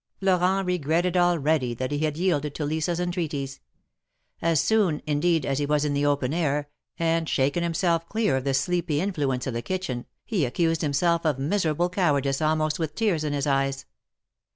Florent regretted already that he had yielded to Lisa's entreaties. As soon, indeed, as he was in the open air, and shaken himself clear of the sleepy influence of the kitchen, he accused himself of miserable cowardice almost with tears in his eyes.